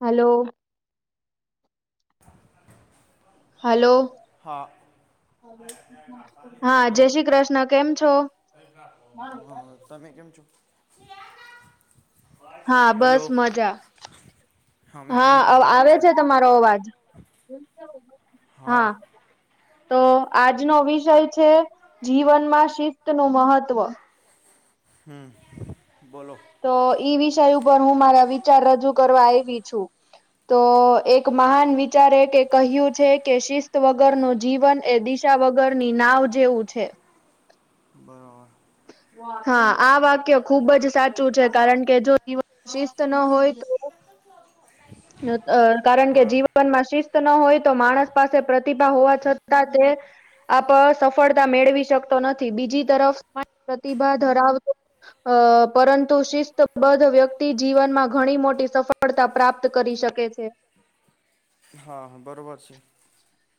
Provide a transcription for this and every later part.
હાલો. [inaudible] Hello. હા અ હવ જય શ્રી કૃષ્ણ કેમ છે હહંઅં તમે કેમ છો. હલો હમે ભી મજાછુ. તમારો અવાજ હા. હા. તો આજનો વિષય છે જીવનમાં શિસ્ત નું મહત્વ હમ બોલો તો ઈ વિષય ઉપર હું મારા વિચાર રજૂ કરવા આયવી છું. તો એક મહાન વિચારે કે કહ્યું છે કે શિસ્ત વગર નું જીવન એ દિશ તા વગર ની નાવ જેવું છે. બરાબર હા આ વાક્ય ખુબ જ સાચું છે કારણ કે જો જીવન શિસ્ત ન હોય તો લ [unintelligible] [inaudible] કારણ કે જીવનમાં શિસ્ત ન હોય તો માણસ પાસે પ્રતિભા હોવા છતાં તે આપ સફળતા મેળવી શકતો નથી બીજી તરફ પ્રતિભા ધરાવતો અ પરંતુ શિસ્તબદ્ધ વ્યક્તિ જીવનમાં ઘણી મોટી સફળતા પ્રાપ્ત હા હા બરોબર છે.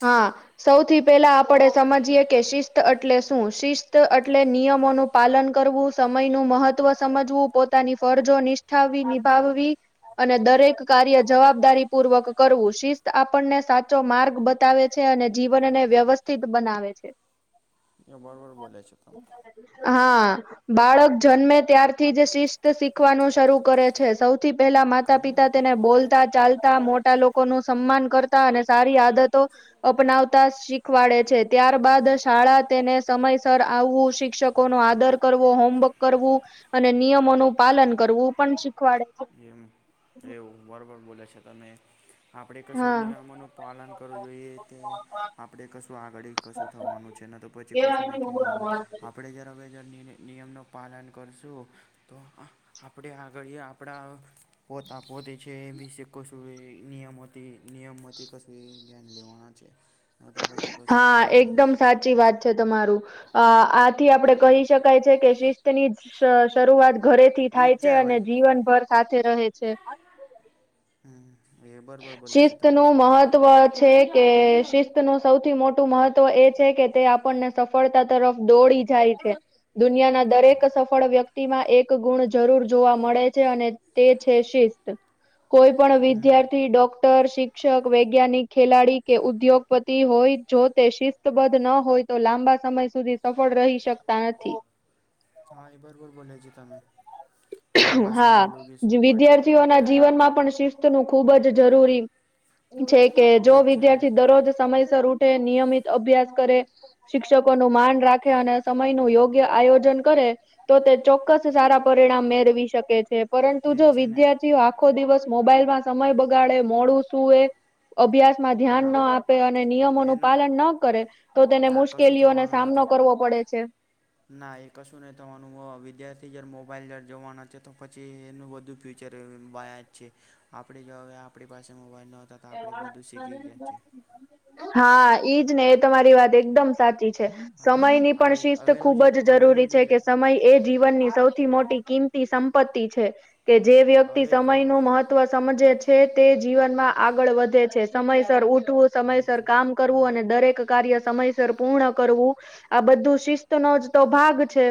હા. સૌથી પહેલા આપણે સમજીએ કે શિસ્ત અટલે શું શિસ્ત અટલે નિયમોનું. પાલન કરવું સમય નું મહત્વ સમજવું પોતાની ફરજો નિષ્ઠવી નિભાવવી. અને દરેક કાર્ય જવાબદારી પૂર્વક કરવું શિસ્ત આપણને સાચો માર્ગ બ બતાવે છે અને જીવનને વ્યવસ્થિત બનાવે છે. એ બરાબર બોલે છ તમ હા બાળક જન્મે ત્યારથી જ શિસ્ત શીખવાનું શરૂ કરે છે સૌ થી પહેલા માતા પિતા તેને બોલ તા ચાલતા મોટા લોકો નું સન્માન કરતા અને સારી આદતો અપનાવતા શીખવાડે છે ત્યારબાદ શાળા તેને સમયસર આવવું શિક્ષકોનો આદર કરવો હોમવર્ક કરવું. અને નિયમોનું પાલન કરવું પણ શીખવાડે છે. જેમ એવું બરાબર બોલે છે તમે આપણે કશું નિયમોનું પાલન કરવું જોઈએ તે આપણે કશું આગળ કશું થવાનું છે તો પછી કશું ન થવાનું આપણે જરાવે જર નિયમનું પાલન કરશું તો આપણે આગળ આપ આપડા પોતા પોતે છે એ બી કશું નિયમતી નિયમતી કશું જ્ઞાન લેવાના છે. હા એક સાચી વાત છે તમારું અ આથી આપડે કહી શકાય છે કે શિસ્તની શરૂઆત ઘરેથી થાય છે અને જીવનભર સાથે રહે છે. હમ્મ. શિસ્તનું મહત્વ છે કે શિસ્તનું સૌથી મોટું મહત્વ એ છે કે તે આપણને સફળતા તરફ દોડી જાય છે. દુનિયાના દરેક સફળ વ્યક્તિમાં એક ગુણ જરૂર જોવા મળે છે અને તે છે શિસ્ત કોઈ પણ વિદ્યા ડક [unintelligible] શિક્ષક વૈજ્ઞાનિક ખેલાડી કે ઉદ્યોગપતિ હોય જો તે શિસ્ બદધ [unintelligible] ન હોય તો લાંબા સમય સુધી સફળ રહી શકતા નથી હા ઈ બરોબર બોલે છે [unintelligible] હા વિદ્યાર્થીઓના જીવનમાં પણ શિસ્તનું ખુબ જ જરૂરી છે કે જો વિદ્યાર્થી દરરોજ સમયસર ઉઠે નિયમિત અભ્યાસ કરે. શિક્ષકોનું માન રાખે અને સમયનું યોગ્ય આયોજન કરે. તો તે ચોક્કસ સારા પરિણામ મેળવી શકે છે પરંતુ જો વિદ્યાર્થીઓ આખો દિવસ મોબાઈલમાં સમય બગાડે મોડું સુુંએ અભ્ સામાં ધ્યાન ન આપે અને નિયમોનું પાલન ન કરે. તો તેને મુશ્કેલીઓનો સામનો કરવો પડે છે. ના એ કશું નહિ તમારું વિદ્યાર્થી જ્યારે મોબાઈલ જાર [unintelligible] જોવાના છે તો પછી એનું બધું ફ્યુ ટચર બાયા [unintelligible] જ છે આપણે જો હવે આપણી પાસે મોબાઈલ ન હતા તો આપણે બધું શીખી ગયા છીએ. હા ઈ જ ને એ તમારી વાત એકદમ સાચી છે. સમયની પણ શિસ્ત ખુબ જ જરૂરી છે કે સમય જીવનની સૌથી મોટી કિંમતી સંપત્તિ છે કે જે વ્યક્તિ સમયનું મહત્વ સમજે છે તે જીવનમાં આગળ વધે છે સમયસર ઉઠ સમયસર કામ કરવું અને દરે કાર્ય સમયસર પૂર્ણ કરવું આ બધું શિસ્તનો જ તો ભાગ છે.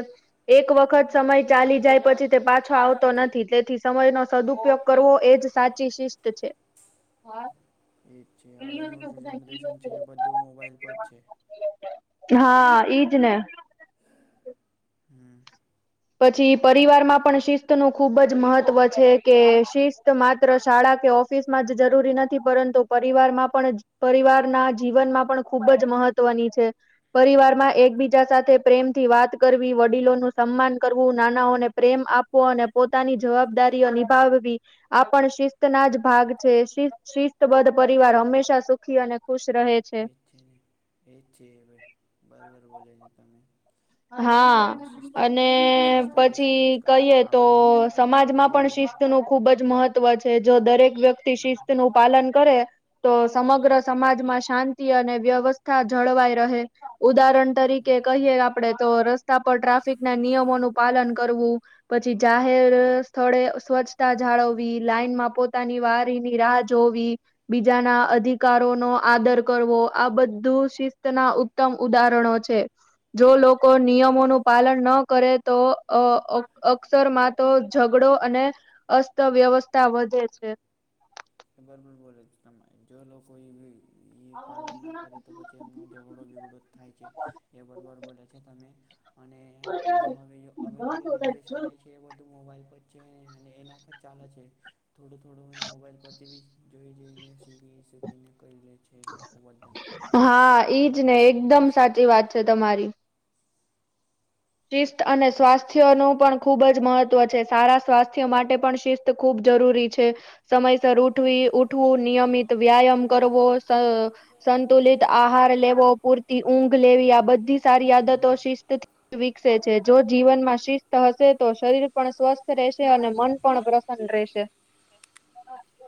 એક વખત સમય ચાલી જાય પછી તે પાછો આવતો નથી તેથી સમયનો સદ ઉપયોગ કરવો એજ સાચી શિસ્ત છે. એજ છે હવેનું જે જનરેશન છે એ બધું મોબાઈલ પર જ છે. હા ઈજ ને. હમ્મ. પછી પરિવારમાં પણ શિસ્તનું ખુબ જ મહત્વ છે કે શિસ્ત માત્ર શાળા કે ઓફિસમાં જ જરૂરી નથી પરંતુ પરિવારમાં પણ પરિવારના જીવનમાં પણ ખૂબ જ મહત્વની છે. પરિવારમાં એકબીજા સાથે પ્રેમથી વાત કરવી વડીલોનું સન્મ કરવું નાનાઓને પ્રેમ આપવો અને પોતાની જવાબદારીઓ નિભાવવી આપણ શિસ્તના જ ભાગ છે. શિસ્તબદ્ધ પરિવાર હંમેશા સુખી અને ખુશ રહે. એ છે ને એજ છે ભાઈ બરોબર બોલા છે તમે. હા અને પછી કહીએ તો સમાજમાં પણ શિસ્ત ખુબ જ મહત્વ છે જો દરેક વ્યક્તિ શિસ્ત નું પાલન કરે તો સમગ્ર સમાજમાં શાંતિ અને વ્યવસ્થા જળવાઈ રહે. ઉદાહરણ તરીકે કહીએ આપ આપડે તો રસ્તા પર ટ્રાફિક ના નિયમોનું પાલન કરવું પછી જાહેર થોડે સ્વચ્છતા જાળવવી લાઈનમાં પોતાની વારીની રાહ જોવી. બીજાના અધિકારોનો આદર કરવો આ બધું શિસ્તના ઉ ઉત્તમ ઉદાહરણો છે. જો લોકો નિયમોનું પાલન ન કરે તો અ અક્ષર મા તો ઝઘડો અને અસ્તવ્યવસ્થા વધે છે. બરોબર બોલે છે તમે જો લોકો એ પાલન ના કરે તો પછી એમનું થોડો વિવૃદ્ધ થાય છે એ બરોબર બોલે છે તમે. અને જો હવે હવેનું જો જનરેશન આઇ છે. કે એ બધું મોબાઈલ વચ્ચે ને એના પર છે પર ચાલે છે થોડું-થોડું મે મોબાઈલ પતિ બી જોઈ જોઈને સીરીઝ કને કરી લે છે. હા ઈજ ને એકદમ સાચી વાત છે તમારી. શિસ્ત અને સ્વાસ્થ્ય નું પણ ખુબ જ મહત્વ છે સારા સ્વાસ્થ્ય માટે પણ શિસ્ત તો ખૂબ જરૂરી છે. સમયસર ઉઠવી ઉઠવું નિયમિત વ્યાયામ કરવો સ સંતુલિત આહાર લેવો પૂરતી ઊંઘ લેવી આ બધી સારી આદતો શિસ્તથી વિકસે છે જો જીવનમાં શિસ્ત હશે તો શરીર પણ સ્વસ્થ રહેશે અને મન પણ પ્ર પ્રસન્ન રેહેશે.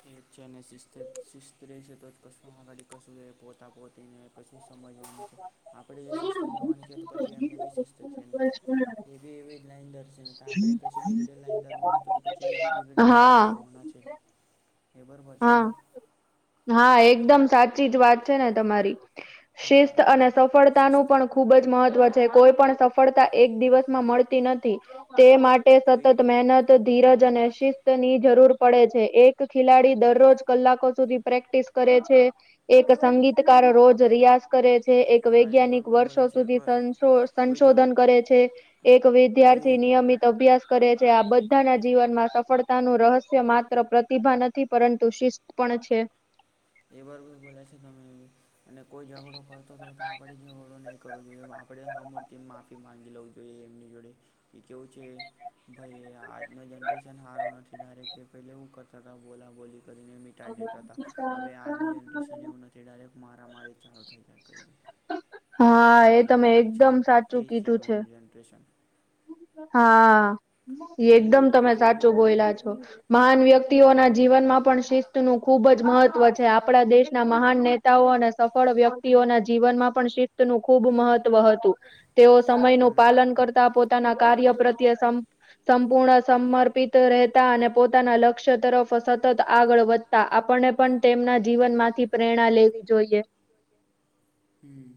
એજ છેને શિસ્ત શિસ્ત રહેશે તો જ કશુ માં ગાડી કશું પોતા પોતીને. પછી સમજવાનું છે આપણે જે શિસ્ત રહેવાની છે તો પછી એમને બી શિસ્ત છે ને. એ એવીજ લાઈન ધરશેને તો આપણે પછી બીગડેલ લાઈન ધરવાના તો તો પછી એ બી બીગડેલ લાઈન જ ધરવાના છે. એેબર પછીન. હા એકદમ સાચી જ વાત છે ને તમારી. શિસ્ત અને સફળતાનું પણ ખુબ જ મહત્વ છે. છે. કોઈ પણ સફળતા એક દિવસમાં મળતી નથી તે માટે સતત મહેનત. ધીરજ અને શિસ્ત ની જરૂર પડે છે એક ખેલાડી દરરોજ કલાકો સુધી પ્રેક્ટિસ કરે છે એક સંગીતકાર રોજ રિયાઝ કરે છે એક વૈજ્ઞાનિક વર્ષો સુધી સંશો સંશોધન કરે છે. એક વિદ્યાર્થી નિયમિત અભ્યાસ કરે છે આ બધાના જીવનમાં સફળતાનું રહસ્ય માત્ર પ્રતિભા નથી પરંતુ શિસ્ત પણ છે. એ બરોબર બોલ્યા છે તમે અમે. અને કોઈ ઝઘડો કરતો હોય તો આપણે ઝઘડો નહીં કરો જોઇએ આપણેે હમોથી માફી માંગી લેવું જોઈએ એમની જોડે કે કેવું છે. ભઈ આજનો જનરેશન હારો નથી ડારે કે પે હું કરતા હતા બોલા બોલી કરીને બી તાઇ દેતા હતા હવે આજના જનરેશન એવું નથી ડાયરેક્ટ મારા મારી ચાલુ થઈ જાય કઇ ની. દંગો થાય છે એ છે હવે નું જનરેશન. હા એકદમ તમે સાચું બોયલા છો. મહાન વ્યક્તિઓના જીવનમાં પણ શિસ્ત નું ખુબ જ મહત્વ છે આપણા દેશના મહાન નેતા નેતાઓ અને સફળ વ્યક્તિઓના જીવનમાં પણ શિસ્ત નું ખૂબ મહત્વ હતું. તેઓ સમયનું પાલન કરતા પોતાના કાર્ય પ્રત્યે સમ સંપૂર્ણ સમર્પિત રહેતા અને પોતાના લક્ષ્ય તરફ સતત આગળ વધ તા આપણને પણ તેમના જીવન માંથી પ્રેરણા લેવી જોઈએ. હમ્મ.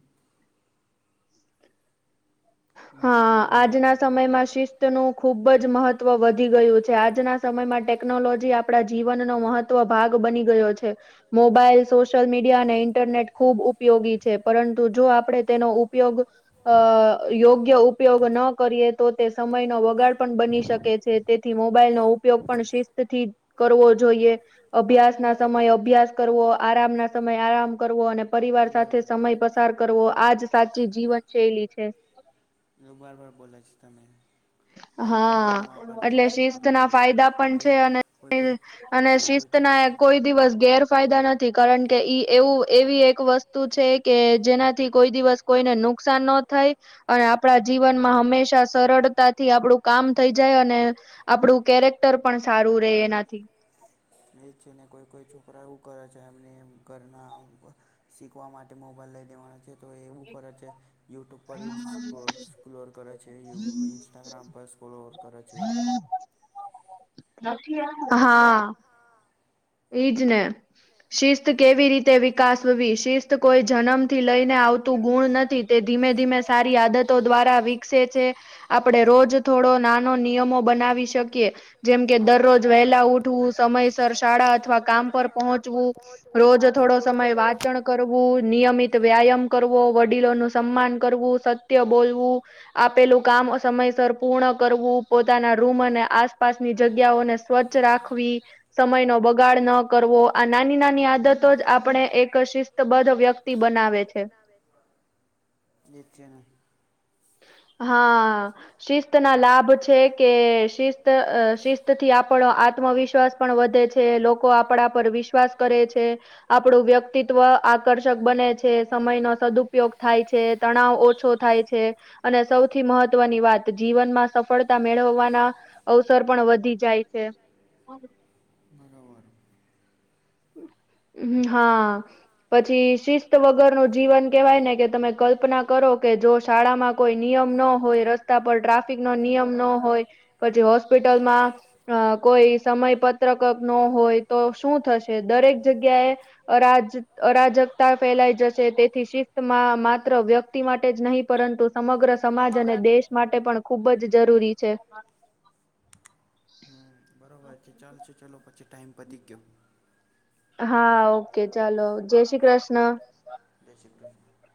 હા આજના સમયમાં શિસ્ત નું ખૂબ જ મહત્વ વધી ગયું છે આજના સમયમાં ટેકનોલોજી આપણા જીવનનું મહત્વ તો ભાગ બની ગયો છે. મોબાઈલ સોશિયલ મીડિયા અને ઇન્ટરનેટ ખૂબ ઉપયોગી છે પરંતુ જો આપળે તેનો ઉપયોગ અ યોગ ગીયો ઉપયોગ ન કરીએ તો તે સમયનો વગાડ પન બની શકે છે તેથી મોબાઈલનો ઉપયોગ પણ શિસ તેથી જ કરવો જોઈએ. અભ્યાસ ના સમયે અભ્યાસ કરવો આરામ ના સમયે આરામ કરવો અને પરિવાર સાથે સમય પસાર કરવો આજ સાચી જીવન શૈલી છે. [unintelligible] બોલાય છે તમે આહા એટલે શિસ્ત ના ફાયદા પન છે અને ને અને શિસ્ત ના કોઈ દિવસ ગેરફાયદા નથી કારન કે ઈ એવું એવી એક વસ્તુ છે કે જેનાથી કોઈ દિવસ કોઈને નુકસાન ન થાય અને આપણા જીવન માં હંમેશા સરળડતા થી આપડું કામ થઈ જાય અને આપડુ કેરેક્ટર પણ સારું રેય એનાથી ને એજ છે ને કોઈ કોઈ છોકરા એવું કરે છે એમનેમ ઘરના શીખવા માટે મોબાઈલ લેઈ દેવાના છે. તો એવું કરે છે યુટૂબ પર રીલ્સ ક્રોલ્સ સ્ક્રોલ કરે છે ઇવુ ઇન્સ્ટાગ્રામ પર સ્કરોલ કરય છે. હા ઈજને શિસ્ત કેવી રીતે વિક કાસવી શિસ્ત કોઈ જનમથી લઈને આવતું ગુણ નથી તે ધીમે ધીમે સારી આદતો દ્વારા વિકસે છે આપડે રોજ થોડો નાનો નિયમો બનાવી શકીએ. જેમ કે દરરોજ વેલ્લા ઉઠવું સમયસર શ શાળા અથવા કામ પર પહોંચવું રોજ થોડો સમય વાચણ કરવું નિયમિત વ્યાયમ કરવો વડીલો નું સમ્માન કરવું સત્ય બોલવું આપેલું કામ અ સમયસર પૂર્ણ કરવું પોતાના રૂમ અને આસપાસની જગ્યાઓને સ સ્વચ્છ રાખવી. સમયનો બગાડ ન કરવો આ નાની નાની આદતો જ આપને એક શિસ્ત ત બધો વ્યક્તિ બનાવે છે. નીચેના હા આ શિસ્તના લાભ છે કે શિસ્ત અ શિસ્ત થી આપળો આ આત્મવિશ્વાસ પણ વધે છે લોકો આપડા પર વિશ્વાસ કરે છે આપડુ વ્યક્તિત્વ આકર્ષક બને છે સમય નો સદુઉપયોગ થાય છે તનાવ ઓછો થાય છે અને સૌથી મહત્વની વાત જીવનમાં સફળતા મેળવવાના અવસર પણ વધી જાય છે. બરોબરો હમ્મ હા પછી શિસ્ત વગર નું જીવન કેવાય ને કે તમે કલ્પના કરો કે જો શાળામાં કોઈ નિયમ ન હોય રસ્તા પર ટ્રાફિક નો નિયમ ન હોય પછી હોસ્પિટલમાં અ કોઈ સમય પત્રકક નો હોય તો શું થશે દરેક જગ્યાએ અરાજ અરાજકતા ફેલાઈ જશે તેથી શિસ્તમાં માત્ર વ્યક્તિ માટે જ નહીં પરંતુ સમગ્ર સમાજ અને દેશ માટે પણ ખૂબ જ જરૂરી છે. હમ્મ બરોબર છે ચાલ છે ચલો પછી ટાઈમ પતી ગ્યો. હા ઓકે ચાલો જેય શ્રી ક્રિષ્ના જય શ્રી કૃષ્ણ.